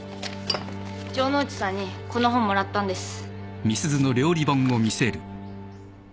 城ノ内さんにこの本もらったんです。